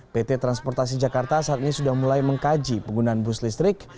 pt transportasi jakarta saat ini sudah mulai mengkaji penggunaan bus listrik